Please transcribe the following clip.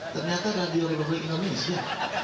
ternyata radio republik indonesia